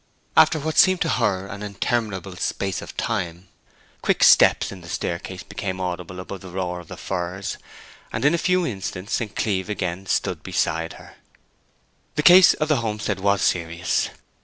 After what seemed to her an interminable space of time, quick steps in the staircase became audible above the roar of the firs, and in a few instants St. Cleeve again stood beside her. The case of the homestead was serious.